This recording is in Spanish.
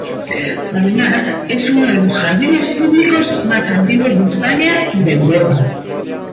Además, es uno de los jardines públicos más antiguos de España y de Europa.